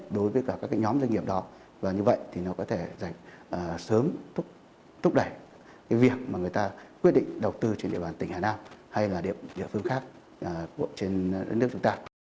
đối với cả các nhóm doanh nghiệp đó và như vậy thì nó có thể sớm thúc đẩy cái việc mà người ta quyết định đầu tư trên địa bàn tỉnh hà nam hay là địa phương khác trên đất nước chúng ta